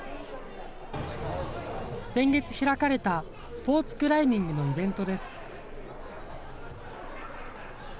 先月開かれたスポーツクライミングのイベントです。